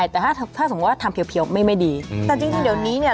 แต่ถ้าถ้าสมมุติว่าทำเพียวไม่ดีแต่จริงเดี๋ยวนี้เนี่ย